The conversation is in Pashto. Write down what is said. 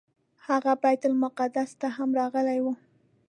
هغه بیت المقدس ته هم راغلی و.